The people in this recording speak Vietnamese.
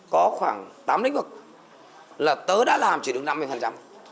có khoảng tám lĩnh vực là tớ đã làm chỉ được năm mươi phần trăm